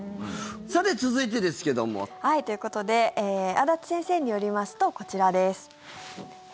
さて続いてですけれども。ということで安達先生によりますとこちらです。